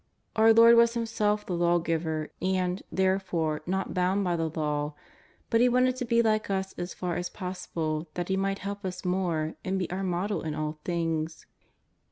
Our Lord was Himself the Lawgiver, and, therefore, not bound by the Law ; but He wanted to be like us as far as possible that He might help us more and be our Model in all things.